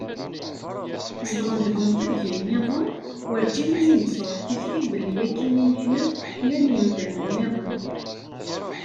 Zedɣen deg umtiweg-nniḍen, urǧin i asen-d-truḥ tikti belli akkin i yillel, llan yimdanen-nniḍen.